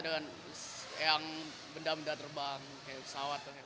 dan yang benda benda terbang kayak pesawat